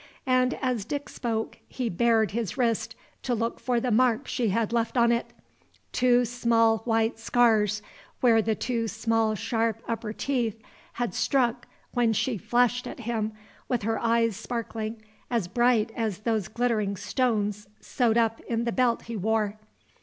And as Dick spoke, he bared his wrist to look for the marks she had left on it: two small white scars, where the two small sharp upper teeth had struck when she flashed at him with her eyes sparkling as bright as those glittering stones sewed up in the belt he wore.